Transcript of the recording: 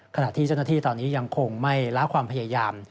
ขณะที่เจ้าหน้าที่ตอนนี้ยังคงไม่ล้าความพยายาม